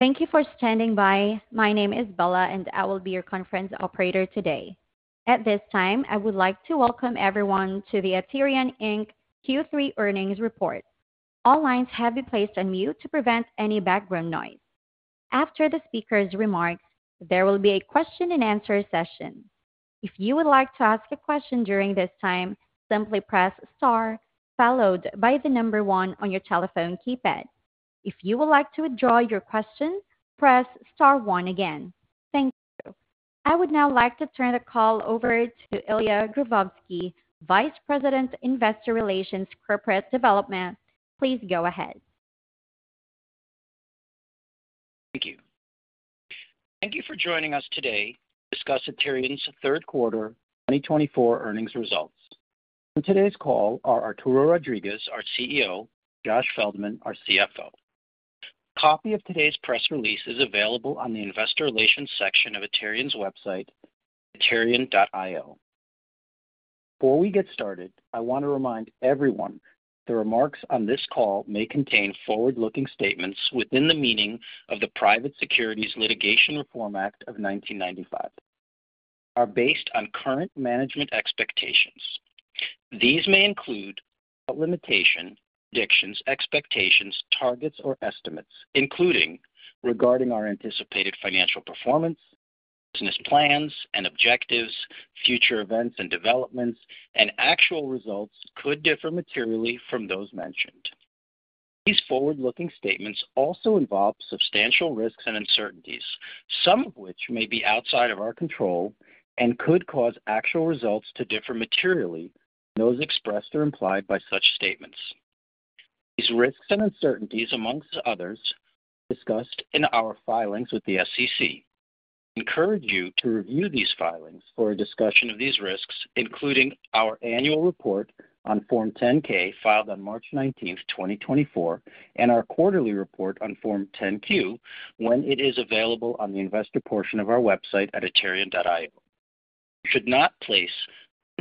Thank you for standing by. My name is Bella, and I will be your conference operator today. At this time, I would like to welcome everyone to the Aterian Inc. Q3 earnings report. All lines have been placed on mute to prevent any background noise. After the speaker's remarks, there will be a question-and-answer session. If you would like to ask a question during this time, simply press star, followed by the number one on your telephone keypad. If you would like to withdraw your question, press star one again. Thank you. I would now like to turn the call over to Ilya Grozovsky, Vice President, Investor Relations, Corporate Development. Please go ahead. Thank you. Thank you for joining us today to discuss Aterian's third quarter 2024 earnings results. On today's call are Arturo Rodriguez, our CEO, and Josh Feldman, our CFO. A copy of today's press release is available on the Investor Relations section of Aterian's website, aterian.io. Before we get started, I want to remind everyone that the remarks on this call may contain forward-looking statements within the meaning of the Private Securities Litigation Reform Act of 1995. They are based on current management expectations. These may include limitations, predictions, expectations, targets, or estimates, including regarding our anticipated financial performance, business plans and objectives, future events and developments, and actual results could differ materially from those mentioned. These forward-looking statements also involve substantial risks and uncertainties, some of which may be outside of our control and could cause actual results to differ materially from those expressed or implied by such statements. These risks and uncertainties, among others, are discussed in our filings with the SEC. I encourage you to review these filings for a discussion of these risks, including our annual report on Form 10-K filed on March 19, 2024, and our quarterly report on Form 10-Q when it is available on the investor portion of our website at aterian.io. You should not place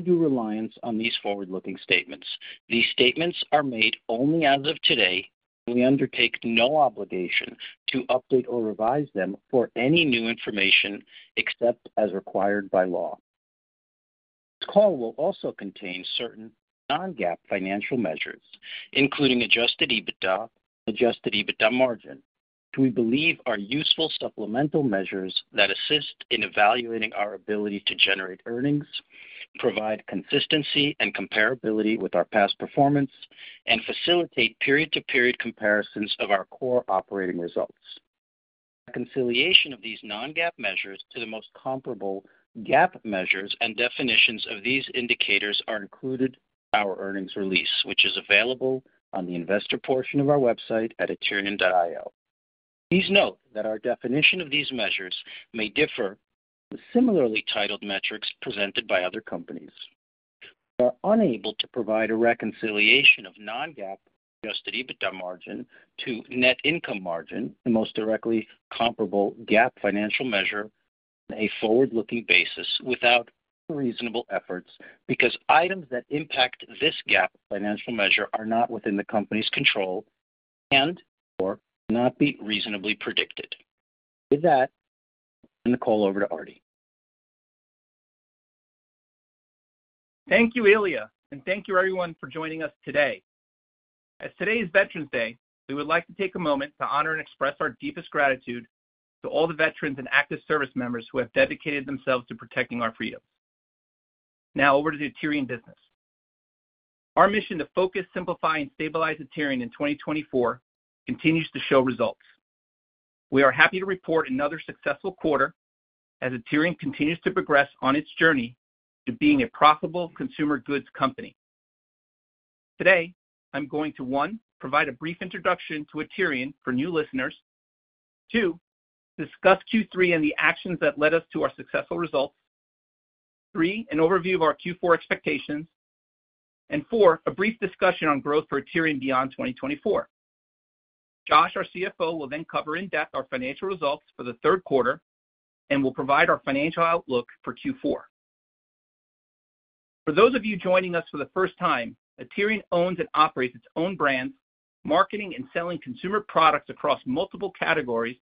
any reliance on these forward-looking statements. These statements are made only as of today, and we undertake no obligation to update or revise them for any new information except as required by law. This call will also contain certain non-GAAP financial measures, including adjusted EBITDA and adjusted EBITDA margin, which we believe are useful supplemental measures that assist in evaluating our ability to generate earnings, provide consistency and comparability with our past performance, and facilitate period-to-period comparisons of our core operating results. Reconciliation of these non-GAAP measures to the most comparable GAAP measures and definitions of these indicators are included in our earnings release, which is available on the investor portion of our website at aterian.io. Please note that our definition of these measures may differ from similarly titled metrics presented by other companies. We are unable to provide a reconciliation of non-GAAP adjusted EBITDA margin to net income margin, the most directly comparable GAAP financial measure, on a forward-looking basis without reasonable efforts because items that impact this GAAP financial measure are not within the company's control and/or cannot be reasonably predicted. With that, I'll turn the call over to Artie. Thank you, Ilya, and thank you, everyone, for joining us today. As today is Veterans Day, we would like to take a moment to honor and express our deepest gratitude to all the veterans and active service members who have dedicated themselves to protecting our freedoms. Now, over to the Aterian business. Our mission to focus, simplify, and stabilize Aterian in 2024 continues to show results. We are happy to report another successful quarter as Aterian continues to progress on its journey to being a profitable consumer goods company. Today, I'm going to one, provide a brief introduction to Aterian for new listeners. Two, discuss Q3 and the actions that led us to our successful results. Three, an overview of our Q4 expectations. And four, a brief discussion on growth for Aterian beyond 2024. Josh, our CFO, will then cover in depth our financial results for the third quarter and will provide our financial outlook for Q4. For those of you joining us for the first time, Aterian owns and operates its own brands, marketing, and selling consumer products across multiple categories,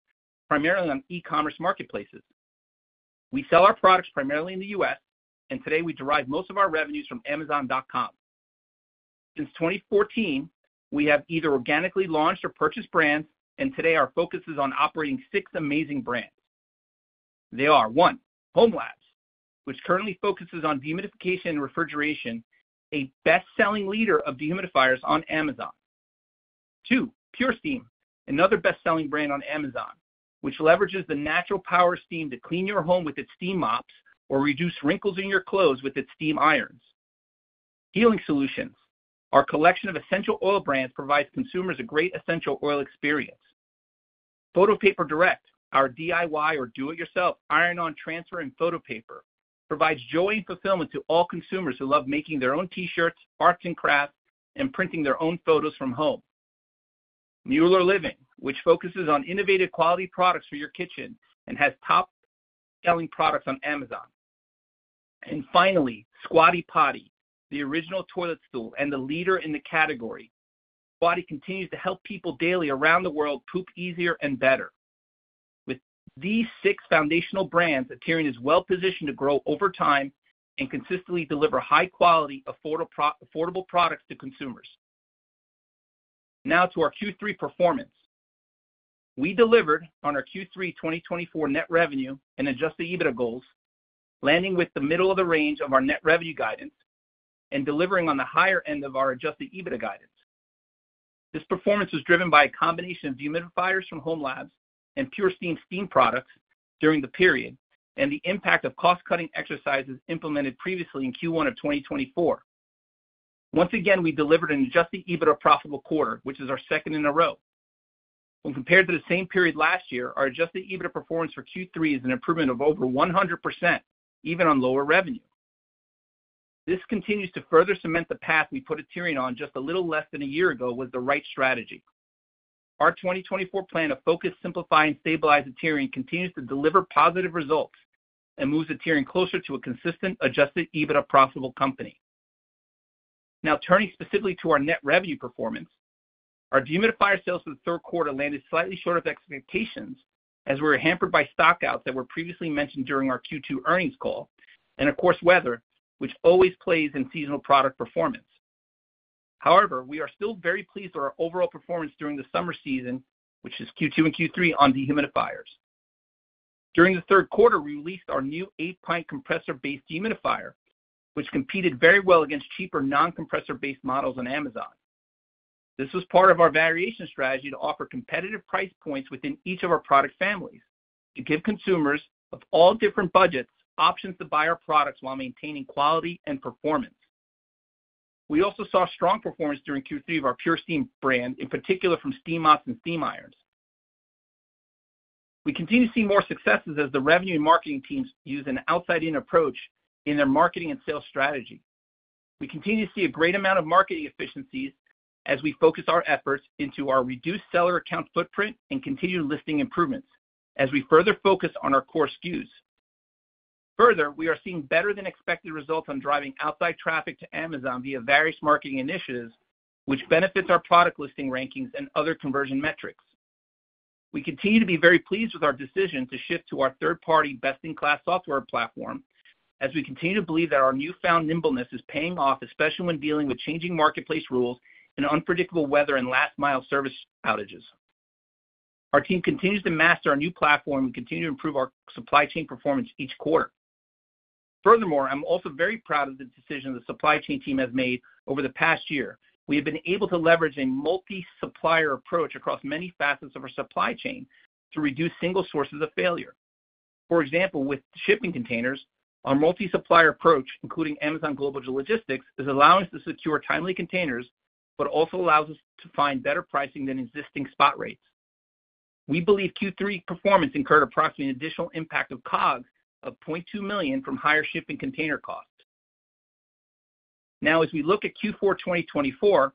primarily on e-commerce marketplaces. We sell our products primarily in the U.S., and today we derive most of our revenues from Amazon.com. Since 2014, we have either organically launched or purchased brands, and today our focus is on operating six amazing brands. They are, one, hOmeLabs, which currently focuses on dehumidification and refrigeration, a best-selling leader of dehumidifiers on Amazon. Two, PurSteam, another best-selling brand on Amazon, which leverages the natural power steam to clean your home with its steam mops or reduce wrinkles in your clothes with its steam irons. Healing Solutions, our collection of essential oil brands, provides consumers a great essential oil experience. Photo Paper Direct, our DIY or do-it-yourself iron-on transfer and photo paper, provides joy and fulfillment to all consumers who love making their own T-shirts, arts and crafts, and printing their own photos from home. Mueller Living, which focuses on innovative quality products for your kitchen and has top-selling products on Amazon. And finally, Squatty Potty, the original toilet stool and the leader in the category. Squatty continues to help people daily around the world poop easier and better. With these six foundational brands, Aterian is well-positioned to grow over time and consistently deliver high-quality, affordable products to consumers. Now to our Q3 performance. We delivered on our Q3 2024 net revenue and adjusted EBITDA goals, landing with the middle of the range of our net revenue guidance and delivering on the higher end of our adjusted EBITDA guidance. This performance was driven by a combination of dehumidifiers from hOmeLabs and PurSteam steam products during the period and the impact of cost-cutting exercises implemented previously in Q1 of 2024. Once again, we delivered an adjusted EBITDA profitable quarter, which is our second in a row. When compared to the same period last year, our adjusted EBITDA performance for Q3 is an improvement of over 100%, even on lower revenue. This continues to further cement the path we put Aterian on just a little less than a year ago with the right strategy. Our 2024 plan of focus, simplify and stabilize Aterian continues to deliver positive results and moves Aterian closer to a consistent adjusted EBITDA profitable company. Now, turning specifically to our net revenue performance, our dehumidifier sales for the third quarter landed slightly short of expectations as we were hampered by stockouts that were previously mentioned during our Q2 earnings call and, of course, weather, which always plays in seasonal product performance. However, we are still very pleased with our overall performance during the summer season, which is Q2 and Q3 on dehumidifiers. During the third quarter, we released our new 8-pipe compressor-based dehumidifier, which competed very well against cheaper non-compressor-based models on Amazon. This was part of our variation strategy to offer competitive price points within each of our product families to give consumers of all different budgets options to buy our products while maintaining quality and performance. We also saw strong performance during Q3 of our PurSteam brand, in particular from steam mops and steam irons. We continue to see more successes as the revenue and marketing teams use an outside-in approach in their marketing and sales strategy. We continue to see a great amount of marketing efficiencies as we focus our efforts into our reduced seller account footprint and continued listing improvements as we further focus on our core SKUs. Further, we are seeing better-than-expected results on driving outside traffic to Amazon via various marketing initiatives, which benefits our product listing rankings and other conversion metrics. We continue to be very pleased with our decision to shift to our third-party best-in-class software platform as we continue to believe that our newfound nimbleness is paying off, especially when dealing with changing marketplace rules and unpredictable weather and last-mile service outages. Our team continues to master our new platform and continue to improve our supply chain performance each quarter. Furthermore, I'm also very proud of the decision the supply chain team has made over the past year. We have been able to leverage a multi-supplier approach across many facets of our supply chain to reduce single sources of failure. For example, with shipping containers, our multi-supplier approach, including Amazon Global Logistics, is allowing us to secure timely containers, but also allows us to find better pricing than existing spot rates. We believe Q3 performance incurred approximately an additional impact of COGS of $0.2 million from higher shipping container costs. Now, as we look at Q4 2024,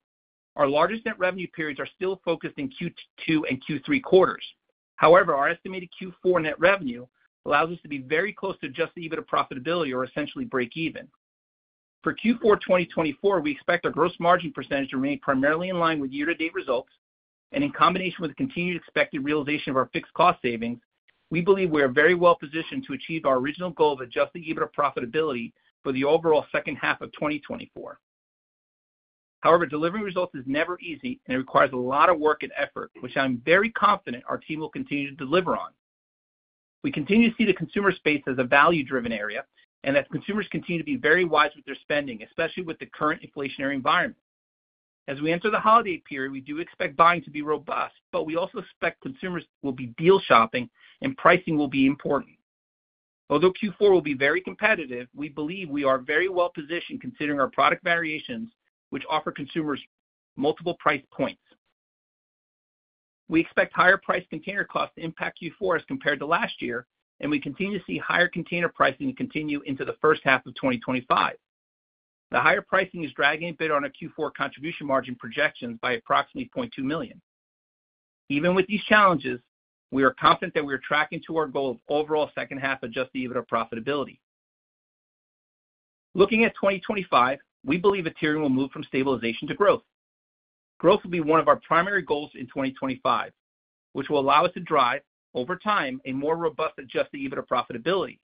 our largest net revenue periods are still focused in Q2 and Q3 quarters. However, our estimated Q4 net revenue allows us to be very close to adjusted EBITDA profitability or essentially break even. For Q4 2024, we expect our gross margin percentage to remain primarily in line with year-to-date results, and in combination with continued expected realization of our fixed cost savings, we believe we are very well positioned to achieve our original goal of adjusted EBITDA profitability for the overall second half of 2024. However, delivering results is never easy, and it requires a lot of work and effort, which I'm very confident our team will continue to deliver on. We continue to see the consumer space as a value-driven area and that consumers continue to be very wise with their spending, especially with the current inflationary environment. As we enter the holiday period, we do expect buying to be robust, but we also expect consumers will be deal shopping and pricing will be important. Although Q4 will be very competitive, we believe we are very well positioned considering our product variations, which offer consumers multiple price points. We expect higher price container costs to impact Q4 as compared to last year, and we continue to see higher container pricing continue into the first half of 2025. The higher pricing is dragging a bit on our Q4 contribution margin projections by approximately $0.2 million. Even with these challenges, we are confident that we are tracking to our goal of overall second half adjusted EBITDA profitability. Looking at 2025, we believe Aterian will move from stabilization to growth. Growth will be one of our primary goals in 2025, which will allow us to drive, over time, a more robust adjusted EBITDA profitability.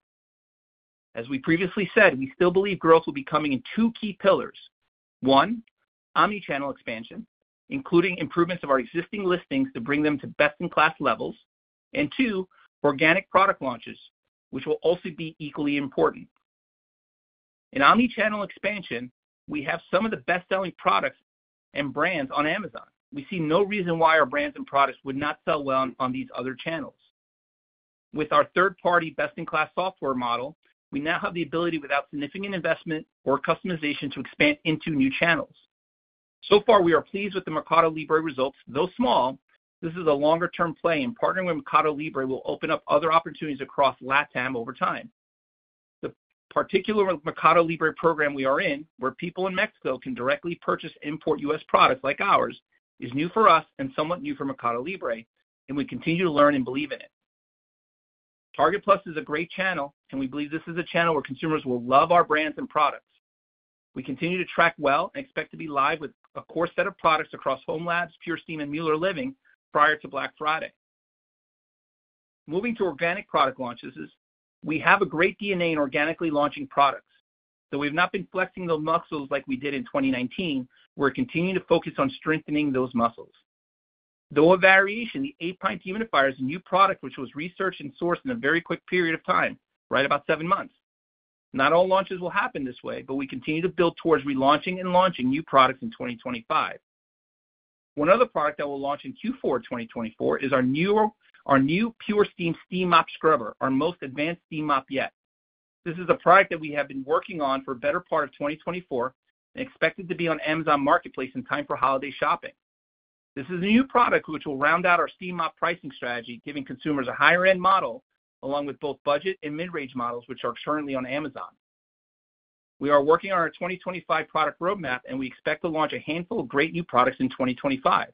As we previously said, we still believe growth will be coming in two key pillars. One, omnichannel expansion, including improvements of our existing listings to bring them to best-in-class levels, and two, organic product launches, which will also be equally important. In omnichannel expansion, we have some of the best-selling products and brands on Amazon. We see no reason why our brands and products would not sell well on these other channels. With our third-party best-in-class software model, we now have the ability, without significant investment or customization, to expand into new channels. So far, we are pleased with the Mercado Libre results. Though small, this is a longer-term play, and partnering with Mercado Libre will open up other opportunities across LatAm over time. The particular Mercado Libre program we are in, where people in Mexico can directly purchase import U.S. products like ours, is new for us and somewhat new for Mercado Libre, and we continue to learn and believe in it. Target Plus is a great channel, and we believe this is a channel where consumers will love our brands and products. We continue to track well and expect to be live with a core set of products across hOmeLabs, PurSteam, and Mueller Living prior to Black Friday. Moving to organic product launches, we have a great DNA in organically launching products, though we have not been flexing those muscles like we did in 2019. We're continuing to focus on strengthening those muscles. Though a variation, the eight-pipe dehumidifier is a new product which was researched and sourced in a very quick period of time, right about seven months. Not all launches will happen this way, but we continue to build towards relaunching and launching new products in 2025. One other product that we'll launch in Q4 2024 is our new PurSteam steam mop scrubber, our most advanced steam mop yet. This is a product that we have been working on for a better part of 2024 and expected to be on Amazon Marketplace in time for holiday shopping. This is a new product which will round out our steam mop pricing strategy, giving consumers a higher-end model along with both budget and mid-range models which are currently on Amazon. We are working on our 2025 product roadmap, and we expect to launch a handful of great new products in 2025.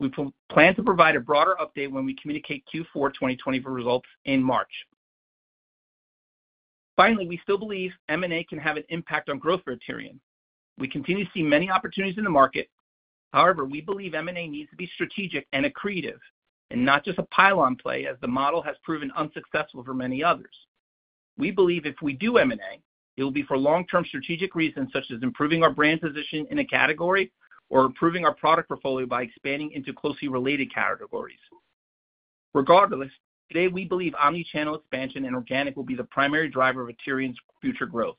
We plan to provide a broader update when we communicate Q4 2024 results in March. Finally, we still believe M&A can have an impact on growth for Aterian. We continue to see many opportunities in the market. However, we believe M&A needs to be strategic and accretive and not just a pile-on play, as the model has proven unsuccessful for many others. We believe if we do M&A, it will be for long-term strategic reasons such as improving our brand position in a category or improving our product portfolio by expanding into closely related categories. Regardless, today we believe omnichannel expansion and organic will be the primary driver of Aterian's future growth.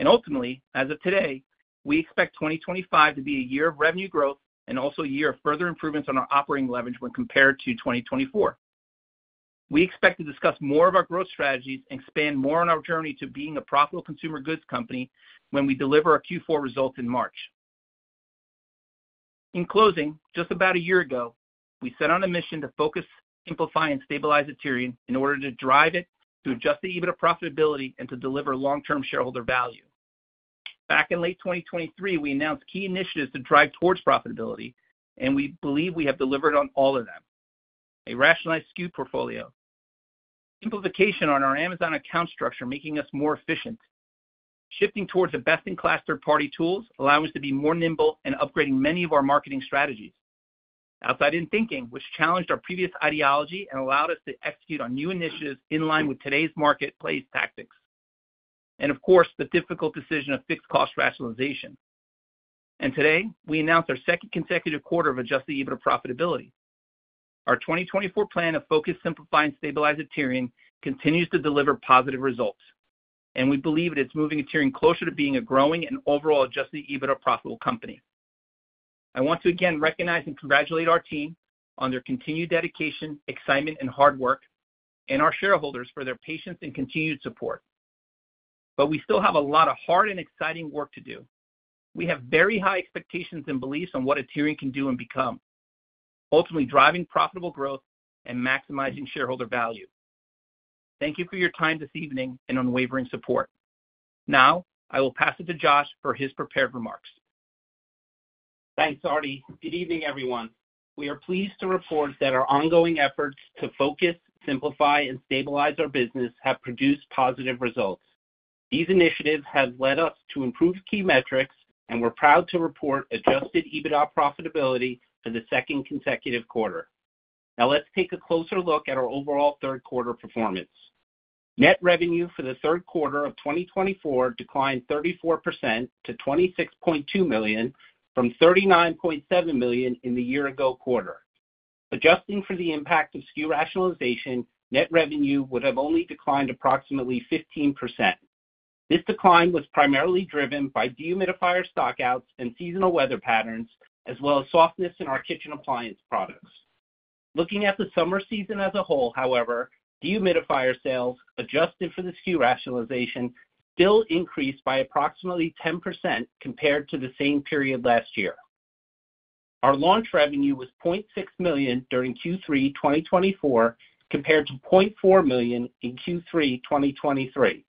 And ultimately, as of today, we expect 2025 to be a year of revenue growth and also a year of further improvements on our operating leverage when compared to 2024. We expect to discuss more of our growth strategies and expand more on our journey to being a profitable consumer goods company when we deliver our Q4 results in March. In closing, just about a year ago, we set out on a mission to focus, simplify, and stabilize Aterian in order to drive it to adjusted EBITDA profitability and to deliver long-term shareholder value. Back in late 2023, we announced key initiatives to drive towards profitability, and we believe we have delivered on all of them: a rationalized SKU portfolio, simplification on our Amazon account structure, making us more efficient, shifting towards the best-in-class third-party tools, allowing us to be more nimble, and upgrading many of our marketing strategies, outside-in thinking, which challenged our previous ideology and allowed us to execute on new initiatives in line with today's marketplace tactics, and of course, the difficult decision of fixed cost rationalization, and today, we announced our second consecutive quarter of adjusted EBITDA profitability. Our 2024 plan of focus, simplify, and stabilize Aterian continues to deliver positive results, and we believe that it's moving Aterian closer to being a growing and overall adjusted EBITDA profitable company. I want to again recognize and congratulate our team on their continued dedication, excitement, and hard work, and our shareholders for their patience and continued support, but we still have a lot of hard and exciting work to do. We have very high expectations and beliefs on what Aterian can do and become, ultimately driving profitable growth and maximizing shareholder value. Thank you for your time this evening and unwavering support. Now, I will pass it to Josh for his prepared remarks. Thanks, Artie. Good evening, everyone. We are pleased to report that our ongoing efforts to focus, simplify, and stabilize our business have produced positive results. These initiatives have led us to improve key metrics, and we're proud to report adjusted EBITDA profitability for the second consecutive quarter. Now, let's take a closer look at our overall third-quarter performance. Net revenue for the third quarter of 2024 declined 34% to $26.2 million, from $39.7 million in the year-ago quarter. Adjusting for the impact of SKU rationalization, net revenue would have only declined approximately 15%. This decline was primarily driven by dehumidifier stockouts and seasonal weather patterns, as well as softness in our kitchen appliance products. Looking at the summer season as a whole, however, dehumidifier sales adjusted for the SKU rationalization still increased by approximately 10% compared to the same period last year. Our launch revenue was $0.6 million during Q3 2024 compared to $0.4 million in Q3 2023.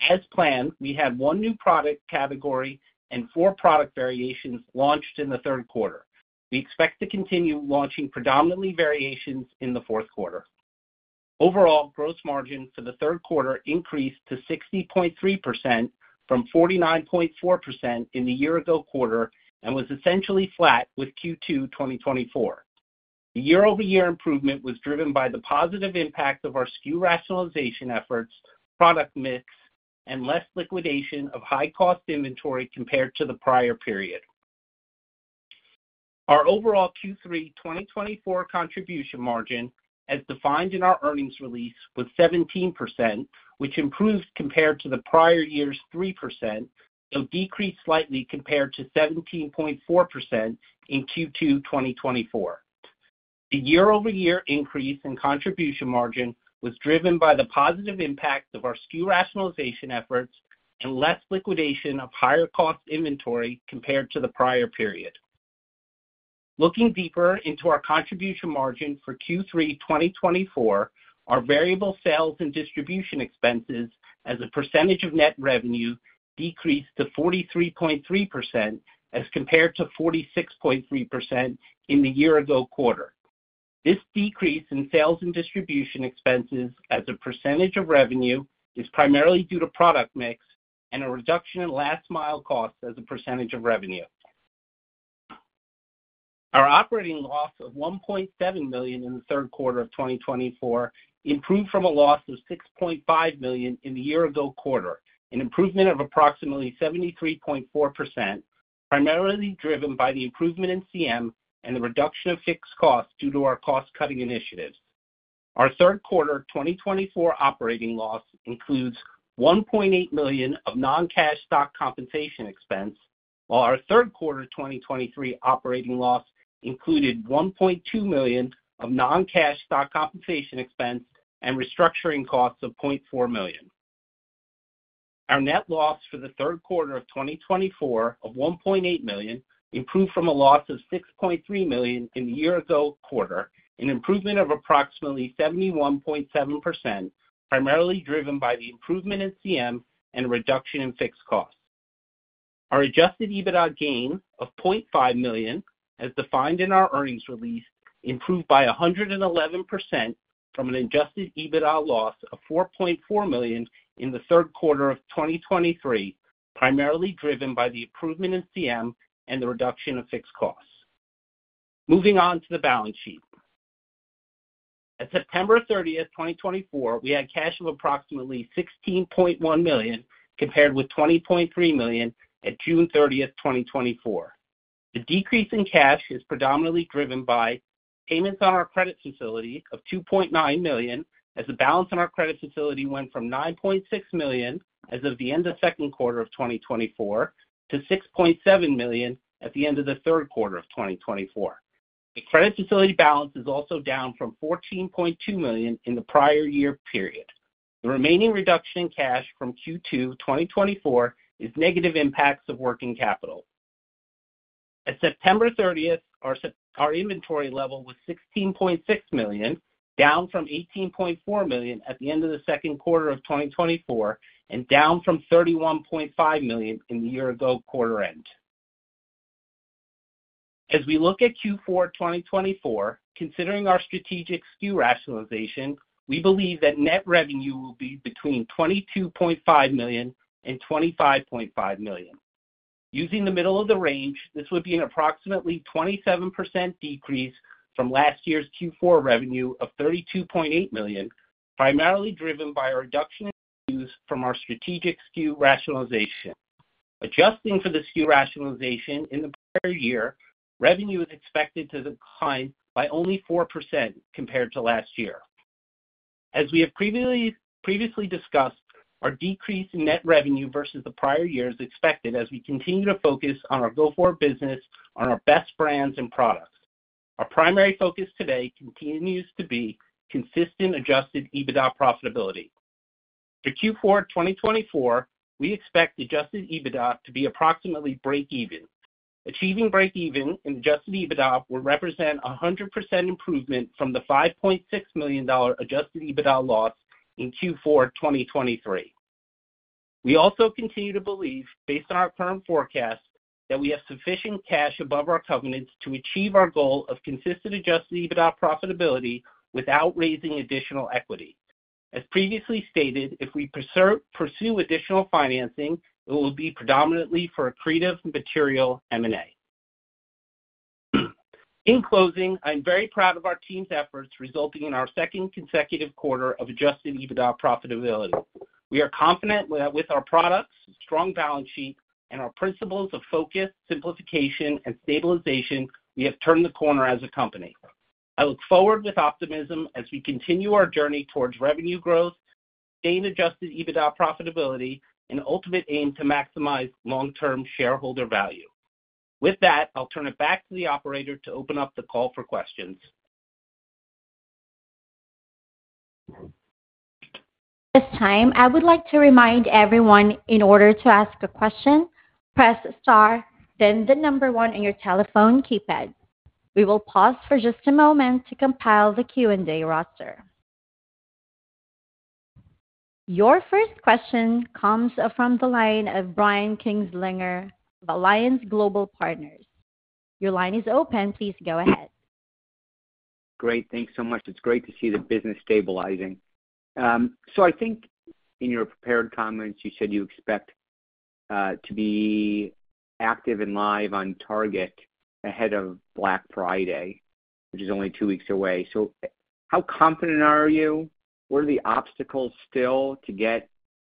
As planned, we had one new product category and four product variations launched in the third quarter. We expect to continue launching predominantly variations in the fourth quarter. Overall, gross margin for the third quarter increased to 60.3% from 49.4% in the year-ago quarter and was essentially flat with Q2 2024. The year-over-year improvement was driven by the positive impact of our SKU rationalization efforts, product mix, and less liquidation of high-cost inventory compared to the prior period. Our overall Q3 2024 contribution margin, as defined in our earnings release, was 17%, which improved compared to the prior year's 3%, though decreased slightly compared to 17.4% in Q2 2024. The year-over-year increase in contribution margin was driven by the positive impact of our SKU rationalization efforts and less liquidation of higher-cost inventory compared to the prior period. Looking deeper into our contribution margin for Q3 2024, our variable sales and distribution expenses as a percentage of net revenue decreased to 43.3% as compared to 46.3% in the year-ago quarter. This decrease in sales and distribution expenses as a percentage of revenue is primarily due to product mix and a reduction in last-mile costs as a percentage of revenue. Our operating loss of $1.7 million in the third quarter of 2024 improved from a loss of $6.5 million in the year-ago quarter, an improvement of approximately 73.4%, primarily driven by the improvement in CM and the reduction of fixed costs due to our cost-cutting initiatives. Our third quarter 2024 operating loss includes $1.8 million of non-cash stock compensation expense, while our third quarter 2023 operating loss included $1.2 million of non-cash stock compensation expense and restructuring costs of $0.4 million. Our net loss for the third quarter of 2024 of $1.8 million improved from a loss of $6.3 million in the year-ago quarter, an improvement of approximately 71.7%, primarily driven by the improvement in CM and a reduction in fixed costs. Our adjusted EBITDA gain of $0.5 million, as defined in our earnings release, improved by 111% from an adjusted EBITDA loss of $4.4 million in the third quarter of 2023, primarily driven by the improvement in CM and the reduction of fixed costs. Moving on to the balance sheet. At September 30th, 2024, we had cash of approximately $16.1 million compared with $20.3 million at June 30th, 2024. The decrease in cash is predominantly driven by payments on our credit facility of $2.9 million, as the balance on our credit facility went from $9.6 million as of the end of second quarter of 2024 to $6.7 million at the end of the third quarter of 2024. The credit facility balance is also down from $14.2 million in the prior year period. The remaining reduction in cash from Q2 2024 is negative impacts of working capital. At September 30th, our inventory level was $16.6 million, down from $18.4 million at the end of the second quarter of 2024 and down from $31.5 million in the year-ago quarter end. As we look at Q4 2024, considering our strategic SKU rationalization, we believe that net revenue will be between $22.5 million and $25.5 million. Using the middle of the range, this would be an approximately 27% decrease from last year's Q4 revenue of $32.8 million, primarily driven by a reduction in SKUs from our strategic SKU rationalization. Adjusting for the SKU rationalization in the prior year, revenue is expected to decline by only 4% compared to last year. As we have previously discussed, our decrease in net revenue versus the prior year is expected as we continue to focus on our go-forward business, on our best brands and products. Our primary focus today continues to be consistent adjusted EBITDA profitability. For Q4 2024, we expect adjusted EBITDA to be approximately break-even. Achieving break-even in adjusted EBITDA will represent a 100% improvement from the $5.6 million adjusted EBITDA loss in Q4 2023. We also continue to believe, based on our current forecast, that we have sufficient cash above our covenants to achieve our goal of consistent adjusted EBITDA profitability without raising additional equity. As previously stated, if we pursue additional financing, it will be predominantly for accretive material M&A. In closing, I'm very proud of our team's efforts resulting in our second consecutive quarter of adjusted EBITDA profitability. We are confident that with our products, strong balance sheet, and our principles of focus, simplification, and stabilization, we have turned the corner as a company. I look forward with optimism as we continue our journey towards revenue growth, sustained adjusted EBITDA profitability, and ultimate aim to maximize long-term shareholder value. With that, I'll turn it back to the operator to open up the call for questions. This time, I would like to remind everyone in order to ask a question, press star, then the number one on your telephone keypad. We will pause for just a moment to compile the Q&A roster. Your first question comes from the line of Brian Kinstlinger of Alliance Global Partners. Your line is open. Please go ahead. Great. Thanks so much. It's great to see the business stabilizing. So I think in your prepared comments, you said you expect to be active and live on Target ahead of Black Friday, which is only two weeks away. So how confident are you? What are the obstacles still to get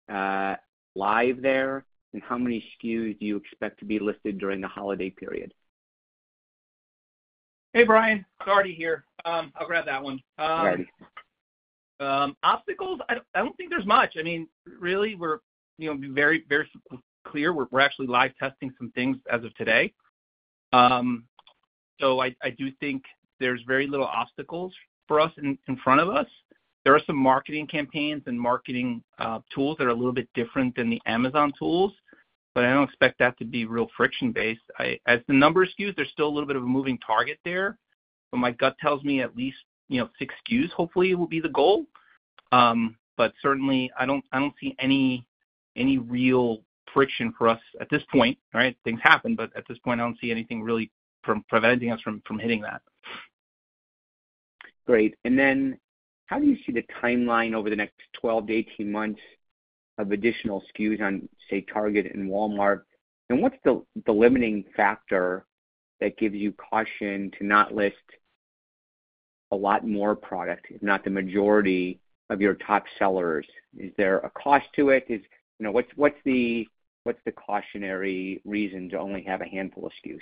live there, and how many SKUs do you expect to be listed during the holiday period? Hey, Brian. Artie here. I'll grab that one. Obstacles? I don't think there's much. I mean, really, we're very clear. We're actually live testing some things as of today. So I do think there's very little obstacles for us in front of us. There are some marketing campaigns and marketing tools that are a little bit different than the Amazon tools, but I don't expect that to be real friction-based. As the number of SKUs, there's still a little bit of a moving target there, but my gut tells me at least six SKUs, hopefully, will be the goal. But certainly, I don't see any real friction for us at this point. All right? Things happen, but at this point, I don't see anything really preventing us from hitting that. Great. And then how do you see the timeline over the next 12 months-18 months of additional SKUs on, say, Target and Walmart? What's the limiting factor that gives you caution to not list a lot more product, if not the majority of your top sellers? Is there a cost to it? What's the cautionary reason to only have a handful of SKUs?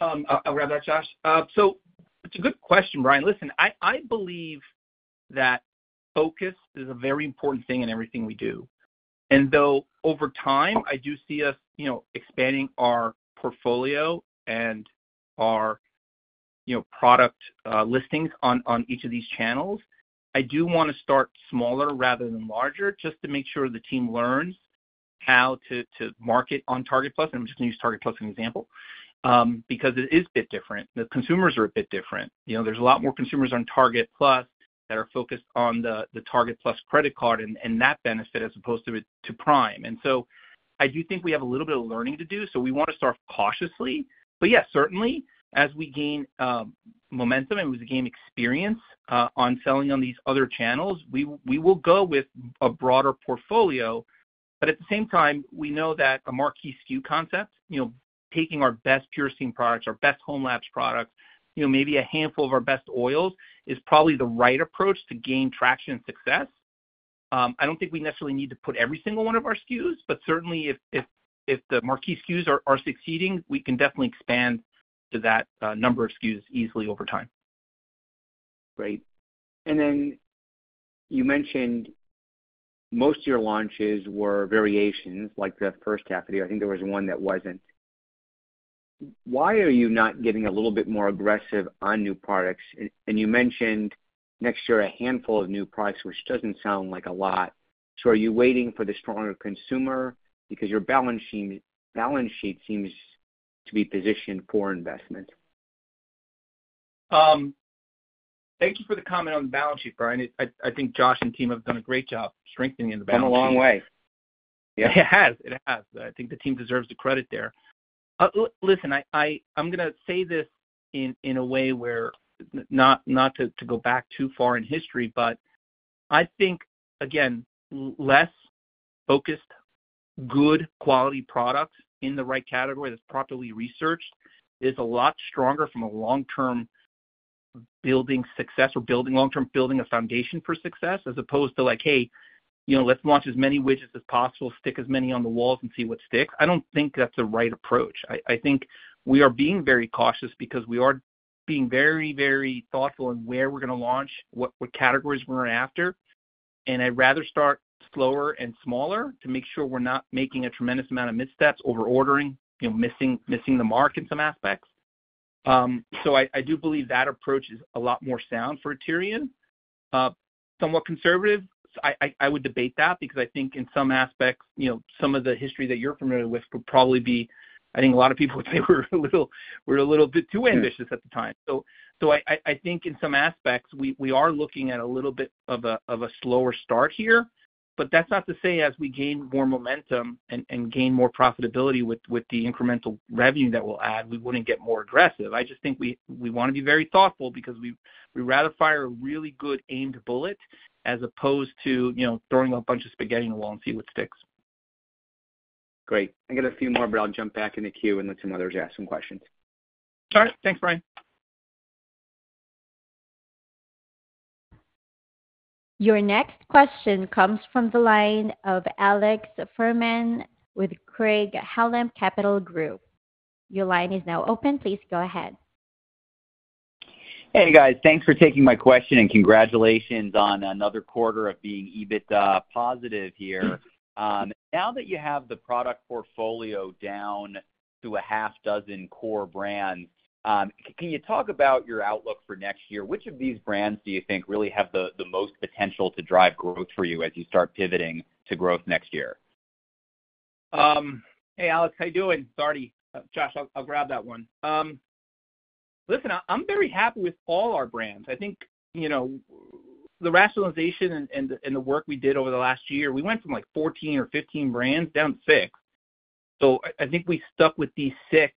I'll grab that, Josh. It's a good question, Brian. Listen, I believe that focus is a very important thing in everything we do. Though over time, I do see us expanding our portfolio and our product listings on each of these channels, I do want to start smaller rather than larger just to make sure the team learns how to market on Target Plus. I'm just going to use Target Plus as an example because it is a bit different. The consumers are a bit different. There's a lot more consumers on Target Plus that are focused on the Target Plus credit card and that benefit as opposed to Prime, and so I do think we have a little bit of learning to do, so we want to start cautiously. But yeah, certainly, as we gain momentum and we gain experience on selling on these other channels, we will go with a broader portfolio. But at the same time, we know that a marquee SKU concept, taking our best PurSteam products, our best hOmeLabs products, maybe a handful of our best oils, is probably the right approach to gain traction and success. I don't think we necessarily need to put every single one of our SKUs, but certainly, if the marquee SKUs are succeeding, we can definitely expand to that number of SKUs easily over time. Great. And then you mentioned most of your launches were variations, like the first half of the year. I think there was one that wasn't. Why are you not getting a little bit more aggressive on new products? And you mentioned next year a handful of new products, which doesn't sound like a lot. So are you waiting for the stronger consumer because your balance sheet seems to be positioned for investment? Thank you for the comment on the balance sheet, Brian. I think Josh and team have done a great job strengthening the balance sheet. It's come a long way. Yeah. It has. It has. I think the team deserves the credit there. Listen, I'm going to say this in a way where not to go back too far in history, but I think, again, less focused, good quality products in the right category that's properly researched is a lot stronger from a long-term building success or long-term building a foundation for success as opposed to like, "Hey, let's launch as many widgets as possible, stick as many on the walls and see what sticks." I don't think that's the right approach. I think we are being very cautious because we are being very, very thoughtful in where we're going to launch, what categories we're after. And I'd rather start slower and smaller to make sure we're not making a tremendous amount of missteps, overordering, missing the mark in some aspects. So I do believe that approach is a lot more sound for Aterian. Somewhat conservative, I would debate that because I think in some aspects, some of the history that you're familiar with would probably be. I think a lot of people would say we're a little bit too ambitious at the time. So I think in some aspects, we are looking at a little bit of a slower start here. But that's not to say as we gain more momentum and gain more profitability with the incremental revenue that we'll add, we wouldn't get more aggressive. I just think we want to be very thoughtful because we'd rather fire a really good aimed bullet as opposed to throwing a bunch of spaghetti in the wall and see what sticks. Great. I got a few more, but I'll jump back in the queue and let some others ask some questions. All right. Thanks, Brian. Your next question comes from the line of Alex Fuhrman with Craig-Hallum Capital Group. Your line is now open. Please go ahead. Hey, guys. Thanks for taking my question and congratulations on another quarter of being EBITDA positive here. Now that you have the product portfolio down to a half dozen core brands, can you talk about your outlook for next year? Which of these brands do you think really have the most potential to drive growth for you as you start pivoting to growth next year? Hey, Alex. How you doing? This is Artie. Josh, I'll grab that one. Listen, I'm very happy with all our brands. I think the rationalization and the work we did over the last year, we went from like 14 or 15 brands down to six. So I think we stuck with these six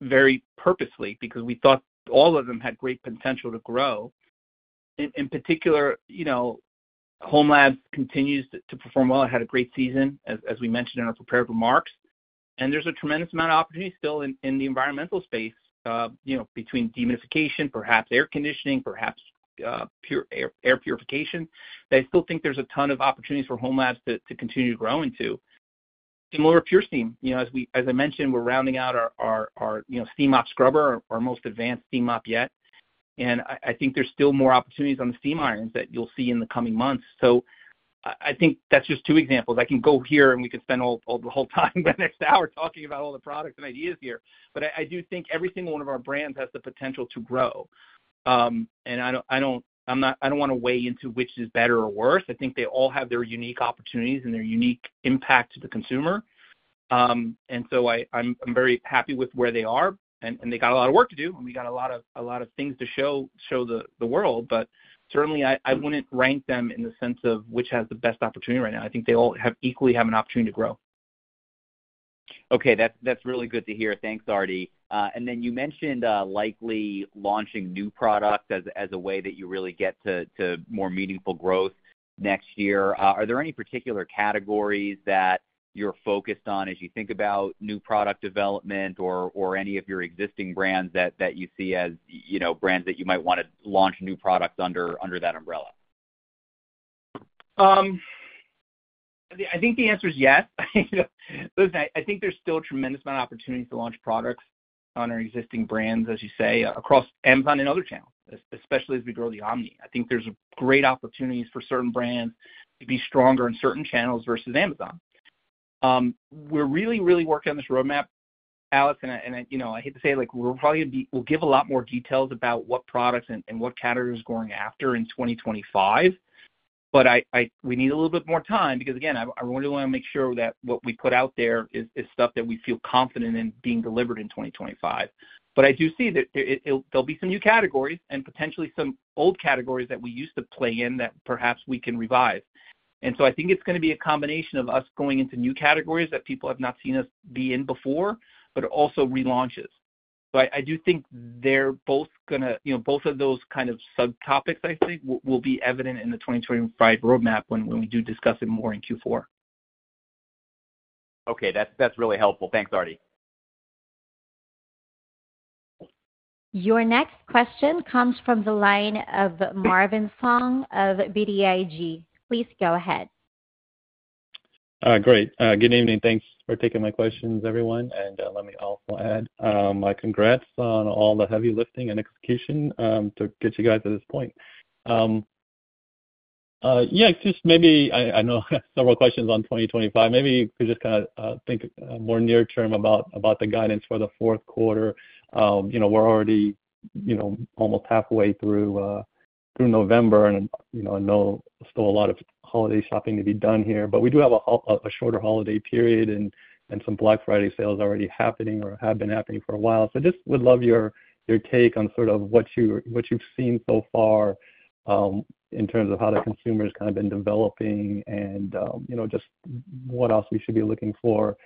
very purposely because we thought all of them had great potential to grow. In particular, hOmeLabs continues to perform well. It had a great season, as we mentioned in our prepared remarks. And there's a tremendous amount of opportunity still in the environmental space between dehumidification, perhaps air conditioning, perhaps air purification. But I still think there's a ton of opportunities for hOmeLabs to continue to grow into. Similar with PurSteam. As I mentioned, we're rounding out our steam mop scrubber, our most advanced steam mop yet. And I think there's still more opportunities on the steam irons that you'll see in the coming months. So I think that's just two examples. I can go here and we could spend the whole time, the next hour, talking about all the products and ideas here. But I do think every single one of our brands has the potential to grow. And I don't want to weigh into which is better or worse. I think they all have their unique opportunities and their unique impact to the consumer. And so I'm very happy with where they are. And they got a lot of work to do, and we got a lot of things to show the world. But certainly, I wouldn't rank them in the sense of which has the best opportunity right now. I think they all equally have an opportunity to grow. Okay. That's really good to hear. Thanks, Artie. And then you mentioned likely launching new products as a way that you really get to more meaningful growth next year. Are there any particular categories that you're focused on as you think about new product development or any of your existing brands that you see as brands that you might want to launch new products under that umbrella? I think the answer is yes. Listen, I think there's still a tremendous amount of opportunities to launch products on our existing brands, as you say, across Amazon and other channels, especially as we grow the omni. I think there's great opportunities for certain brands to be stronger in certain channels versus Amazon. We're really, really working on this roadmap, Alex. And I hate to say it, we'll give a lot more details about what products and what categories we're going after in 2025. But we need a little bit more time because, again, I really want to make sure that what we put out there is stuff that we feel confident in being delivered in 2025. But I do see that there'll be some new categories and potentially some old categories that we used to play in that perhaps we can revive. And so I think it's going to be a combination of us going into new categories that people have not seen us be in before, but also relaunches. So I do think they're both going to both of those kind of subtopics, I think, will be evident in the 2025 roadmap when we do discuss it more in Q4. Okay. That's really helpful. Thanks, Artie. Your next question comes from the line of Marvin Fong of BTIG. Please go ahead. Great. Good evening. Thanks for taking my questions, everyone. And let me also add, my congrats on all the heavy lifting and execution to get you guys to this point. Yeah. Just maybe I know several questions on 2025. Maybe you could just kind of think more near-term about the guidance for the fourth quarter. We're already almost halfway through November, and I know there's still a lot of holiday shopping to be done here. But we do have a shorter holiday period and some Black Friday sales already happening or have been happening for a while. So I just would love your take on sort of what you've seen so far in terms of how the consumer has kind of been developing and just what else we should be looking for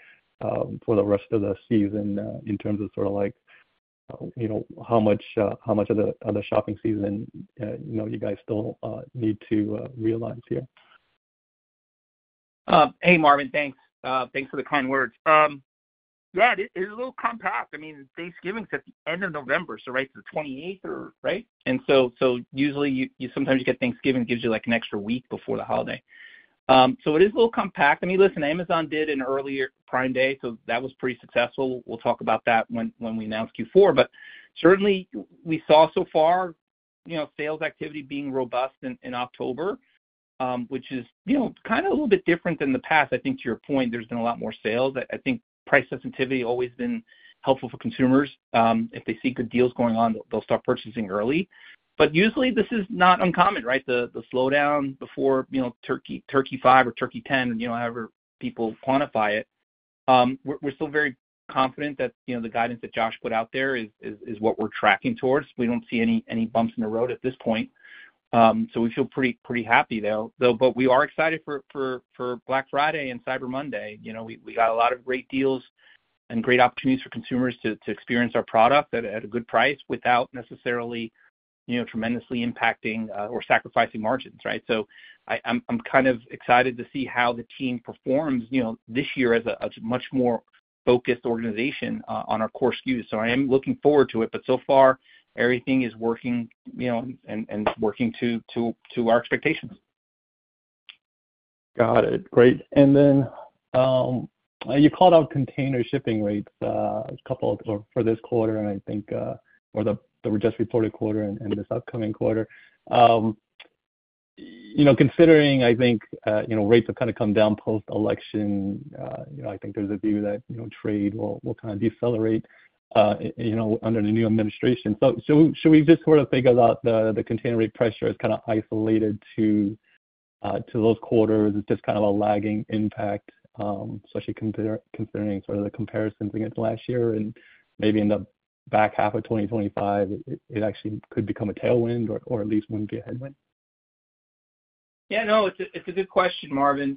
for the rest of the season in terms of sort of like how much of the shopping season you guys still need to realize here. Hey, Marvin. Thanks. Thanks for the kind words. Yeah. It's a little compact. I mean, Thanksgiving's at the end of November, so right to the 28th, right? And so usually, sometimes you get Thanksgiving, it gives you like an extra week before the holiday. So it is a little compact. I mean, listen, Amazon did an earlier Prime Day, so that was pretty successful. We'll talk about that when we announce Q4. But certainly, we saw so far sales activity being robust in October, which is kind of a little bit different than the past. I think to your point, there's been a lot more sales. I think price sensitivity has always been helpful for consumers. If they see good deals going on, they'll start purchasing early. But usually, this is not uncommon, right? The slowdown before Turkey 5 or Turkey 10, however people quantify it. We're still very confident that the guidance that Josh put out there is what we're tracking towards. We don't see any bumps in the road at this point, so we feel pretty happy, though. But we are excited for Black Friday and Cyber Monday. We got a lot of great deals and great opportunities for consumers to experience our product at a good price without necessarily tremendously impacting or sacrificing margins, right? So I'm kind of excited to see how the team performs this year as a much more focused organization on our core SKUs, so I am looking forward to it. But so far, everything is working to our expectations. Got it. Great. And then you called out container shipping rates a couple of times for this quarter, and I think for the just reported quarter and this upcoming quarter. Considering, I think, rates have kind of come down post-election. I think there's a view that trade will kind of decelerate under the new administration. So should we just sort of think about the container rate pressure as kind of isolated to those quarters? It's just kind of a lagging impact, especially considering sort of the comparisons against last year. And maybe in the back half of 2025, it actually could become a tailwind or at least wouldn't be a headwind. Yeah. No, it's a good question, Marvin.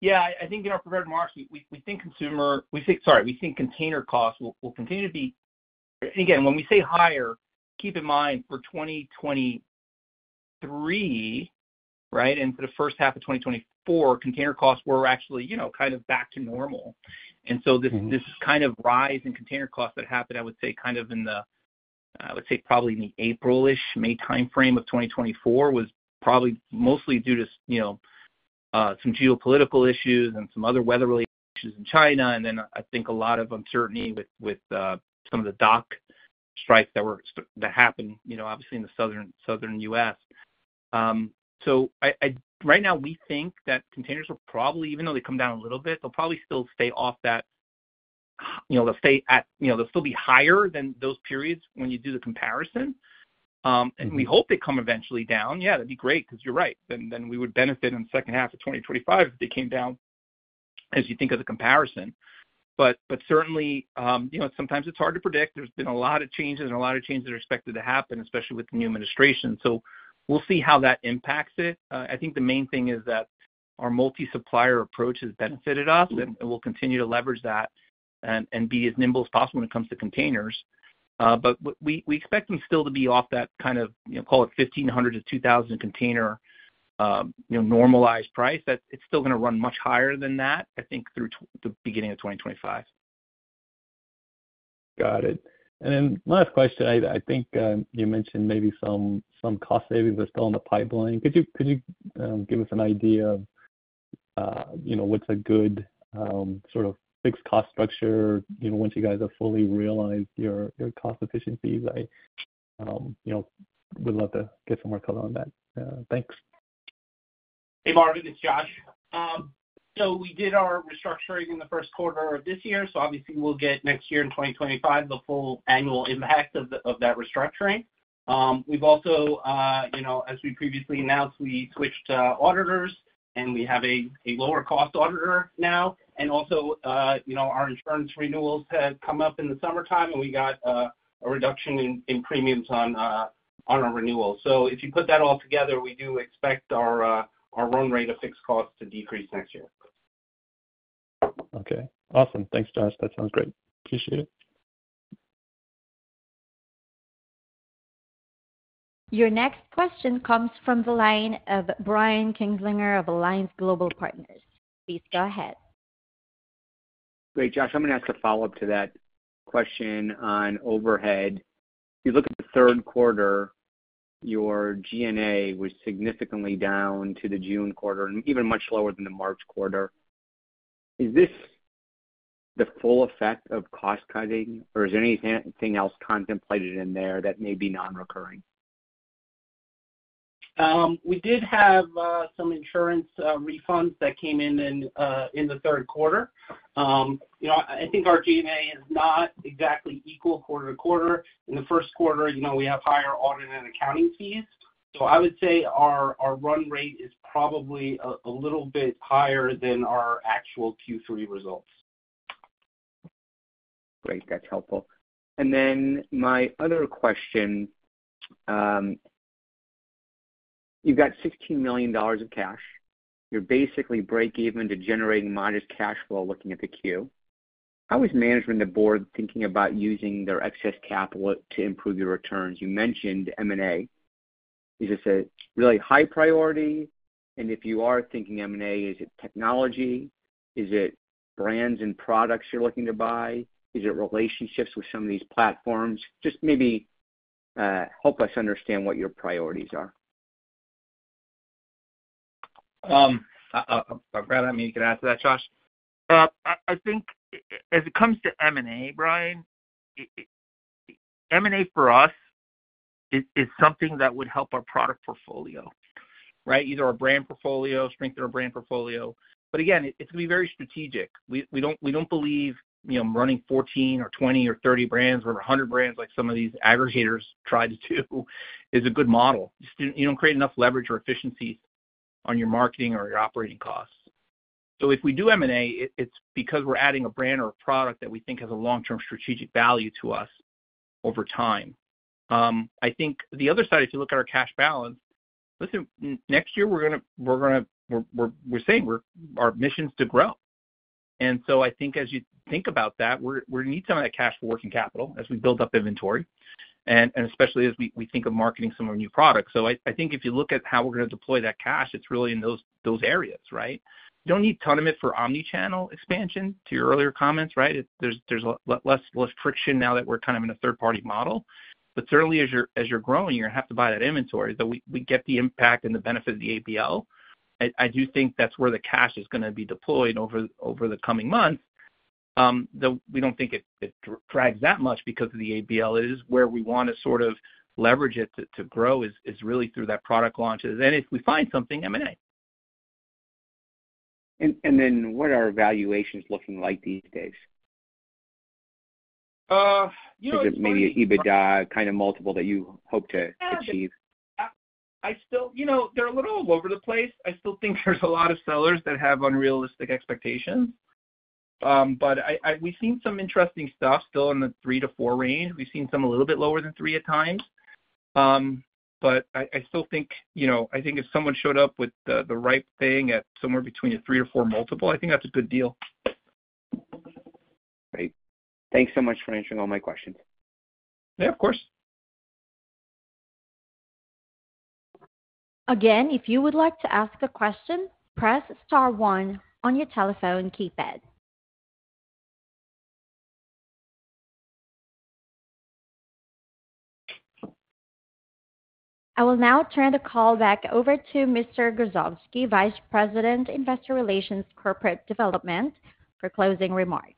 Yeah. I think in our prepared remarks, we think consumer, sorry, we think container costs will continue to be. And again, when we say higher, keep in mind for 2023, right, into the first half of 2024, container costs were actually kind of back to normal. And so this kind of rise in container costs that happened, I would say, kind of in the, I would say, probably in the April-ish, May timeframe of 2024 was probably mostly due to some geopolitical issues and some other weather-related issues in China. And then I think a lot of uncertainty with some of the dock strikes that happened, obviously, in the southern U.S. So right now, we think that containers will probably, even though they come down a little bit, they'll probably still stay off that. They'll stay at. They'll still be higher than those periods when you do the comparison. And we hope they come eventually down. Yeah, that'd be great because you're right. Then we would benefit in the second half of 2025 if they came down, as you think of the comparison. But certainly, sometimes it's hard to predict. There's been a lot of changes and a lot of changes that are expected to happen, especially with the new administration, so we'll see how that impacts it. I think the main thing is that our multi-supplier approach has benefited us, and we'll continue to leverage that and be as nimble as possible when it comes to containers. But we expect them still to be off that kind of, call it $1,500-$2,000 container normalized price. It's still going to run much higher than that, I think, through the beginning of 2025. Got it, and then last question, I think you mentioned maybe some cost savings are still in the pipeline. Could you give us an idea of what's a good sort of fixed cost structure once you guys have fully realized your cost efficiencies? I would love to get some more color on that. Thanks. Hey, Marvin. It's Josh. So we did our restructuring in the first quarter of this year. So obviously, we'll get next year in 2025 the full annual impact of that restructuring. We've also, as we previously announced, we switched auditors, and we have a lower-cost auditor now. And also, our insurance renewals have come up in the summertime, and we got a reduction in premiums on our renewals. So if you put that all together, we do expect our run rate of fixed costs to decrease next year. Okay. Awesome. Thanks, Josh. That sounds great. Appreciate it. Your next question comes from the line of Brian Kinstlinger of Alliance Global Partners. Please go ahead. Great, Josh. I'm going to ask a follow-up to that question on overhead. You look at the third quarter, your G&A was significantly down to the June quarter and even much lower than the March quarter. Is this the full effect of cost cutting, or is there anything else contemplated in there that may be non-recurring? We did have some insurance refunds that came in in the third quarter. I think our G&A is not exactly equal quarter to quarter. In the first quarter, we have higher audit and accounting fees. So I would say our run rate is probably a little bit higher than our actual Q3 results. Great. That's helpful. And then my other question, you've got $16 million of cash. You're basically break-even to generating modest cash flow looking at the Q. How is management and the board thinking about using their excess capital to improve your returns? You mentioned M&A. Is this a really high priority? And if you are thinking M&A, is it technology? Is it brands and products you're looking to buy? Is it relationships with some of these platforms? Just maybe help us understand what your priorities are. I'm glad I'm able to answer that, Josh. I think as it comes to M&A, Brian, M&A for us is something that would help our product portfolio, right? Either our brand portfolio, strengthen our brand portfolio. But again, it's going to be very strategic. We don't believe running 14 or 20 or 30 brands or 100 brands like some of these aggregators tried to do is a good model. You don't create enough leverage or efficiencies on your marketing or your operating costs. So if we do M&A, it's because we're adding a brand or a product that we think has a long-term strategic value to us over time. I think the other side, if you look at our cash balance, listen, next year, we're going to say our mission is to grow. And so I think as you think about that, we're going to need some of that cash for working capital as we build up inventory, and especially as we think of marketing some of our new products. So I think if you look at how we're going to deploy that cash, it's really in those areas, right? You don't need a ton of it for omnichannel expansion, to your earlier comments, right? There's less friction now that we're kind of in a third-party model. But certainly, as you're growing, you're going to have to buy that inventory that we get the impact and the benefit of the ABL. I do think that's where the cash is going to be deployed over the coming months. We don't think it drags that much because of the ABL. It is where we want to sort of leverage it to grow is really through that product launch. And if we find something, M&A. And then what are valuations looking like these days? Is it maybe an EBITDA kind of multiple that you hope to achieve? They're a little all over the place. I still think there's a lot of sellers that have unrealistic expectations. But we've seen some interesting stuff still in the three to four range. We've seen some a little bit lower than three at times. But I still think if someone showed up with the right thing at somewhere between a three to four multiple, I think that's a good deal. Great. Thanks so much for answering all my questions. Yeah, of course. Again, if you would like to ask a question, press star one on your telephone keypad. I will now turn the call back over to Mr. Grozovsky, Vice President, Investor Relations and Corporate Development, for closing remarks.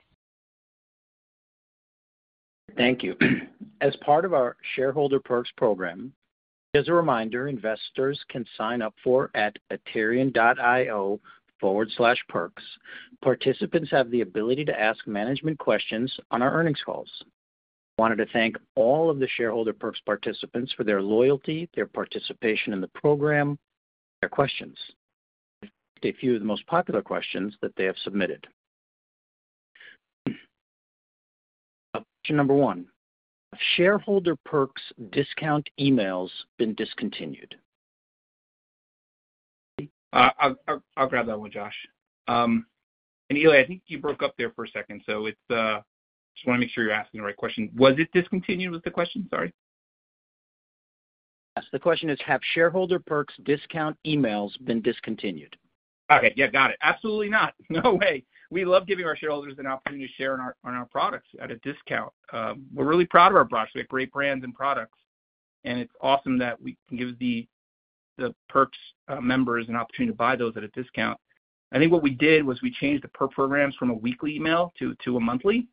Thank you. As part of our Shareholder Perks Program, as a reminder, investors can sign up for aterian.io/perks. Participants have the ability to ask management questions on our earnings calls. I wanted to thank all of the Shareholder Perks participants for their loyalty, their participation in the program, their questions, and a few of the most popular questions that they have submitted. Question number one, have Shareholder Perks discount emails been discontinued? I'll grab that one, Josh. And Ilya, I think you broke up there for a second. So I just want to make sure you're asking the right question. Was it discontinued was the question? Sorry. Yes. The question is, have Shareholder Perks discount emails been discontinued? Okay. Yeah. Got it. Absolutely not. No way. We love giving our shareholders an opportunity to share on our products at a discount. We're really proud of our products. We have great brands and products, and it's awesome that we can give the Perks members an opportunity to buy those at a discount. I think what we did was we changed the Perks programs from a weekly email to a monthly,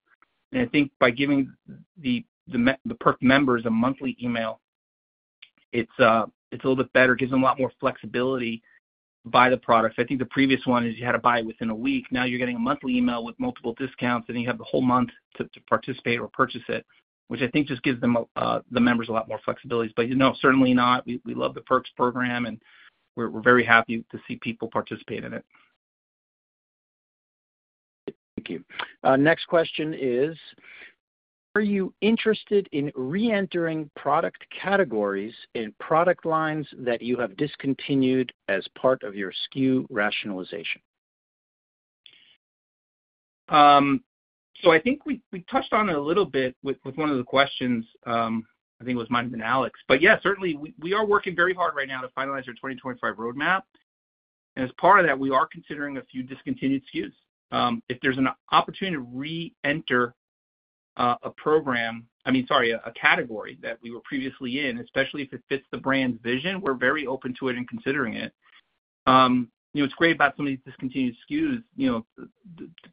and I think by giving the Perks members a monthly email, it's a little bit better. It gives them a lot more flexibility to buy the products. I think the previous one is you had to buy it within a week. Now you're getting a monthly email with multiple discounts, and you have the whole month to participate or purchase it, which I think just gives the members a lot more flexibility, but no, certainly not. We love the Perks program, and we're very happy to see people participate in it. Thank you. Next question is, are you interested in re-entering product categories and product lines that you have discontinued as part of your SKU rationalization? So I think we touched on it a little bit with one of the questions, I think it was Marvin and Alex. But yeah, certainly, we are working very hard right now to finalize our 2025 roadmap. And as part of that, we are considering a few discontinued SKUs. If there's an opportunity to re-enter a program, I mean, sorry, a category that we were previously in, especially if it fits the brand's vision, we're very open to it and considering it. What's great about some of these discontinued SKUs,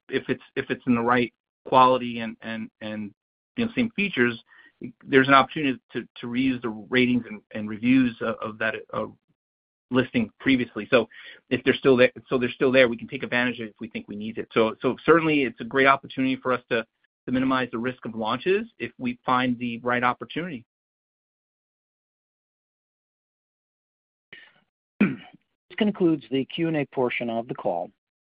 if it's in the right quality and same features, there's an opportunity to reuse the ratings and reviews of that listing previously. So if they're still there, we can take advantage of it if we think we need it. So certainly, it's a great opportunity for us to minimize the risk of launches if we find the right opportunity. This concludes the Q&A portion of the call.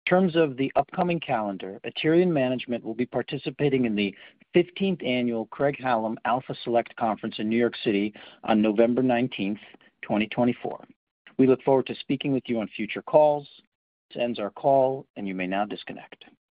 In terms of the upcoming calendar, Aterian Management will be participating in the 15th Annual Craig-Hallum Alpha Select Conference in New York City on November 19th, 2024. We look forward to speaking with you on future calls. This ends our call, and you may now disconnect.